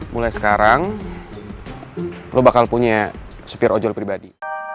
mulai sekarang lo bakal punya supir ojol pribadi